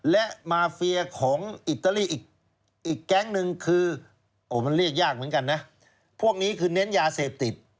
และมาเฟียของอิตาลีอีกแก๊งหนึ่งคือโอ้มันเรียกยากเหมือนกันนะพวกนี้คือเน้นยาเสพติด